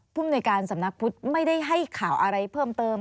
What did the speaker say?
มนุยการสำนักพุทธไม่ได้ให้ข่าวอะไรเพิ่มเติม